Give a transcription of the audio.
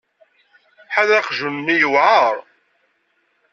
Ḥader aqjun-nni yewɛer.